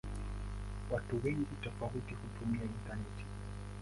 Watu wengi tofauti hutumia intaneti.